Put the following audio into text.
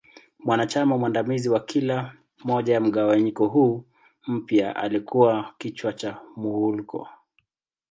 Mwanachama mwandamizi wa kila moja ya mgawanyiko huu mpya alikua kichwa cha Muwuluko.